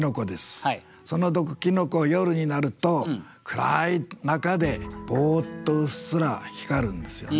その毒キノコ夜になると暗い中でぼっとうっすら光るんですよね。